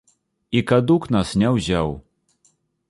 І кадук нас не ўзяў.